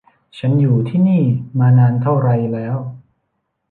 ฉันอยู่นี่มานานเท่าไรแล้ว